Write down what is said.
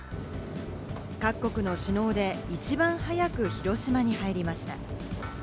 各国の首脳で一番早く広島に入りました。